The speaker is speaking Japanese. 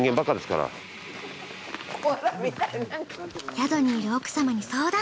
宿にいる奥様に相談。